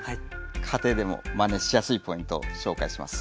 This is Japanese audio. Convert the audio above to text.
家庭でもまねしやすいポイントを紹介します。